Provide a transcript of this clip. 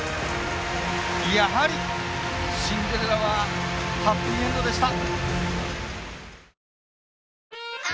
やはりシンデレラはハッピーエンドでした。